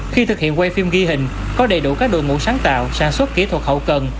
khi thực hiện quay phim ghi hình có đầy đủ các đội ngũ sáng tạo sản xuất kỹ thuật hậu cần